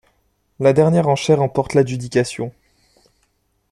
La dernière enchère emporte l'adjudication.